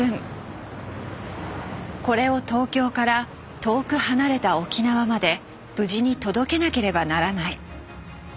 これを東京から遠く離れた沖縄まで無事に届けなければならない。